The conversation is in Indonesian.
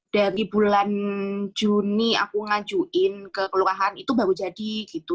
dari bulan juni aku ngajuin ke kelurahan itu baru jadi gitu